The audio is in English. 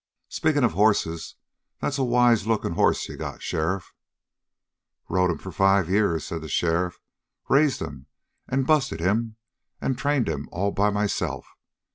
"Speaking of hosses, that's a wise looking hoss you got, sheriff." "Rode him for five years," said the sheriff. "Raised him and busted him and trained him all by myself.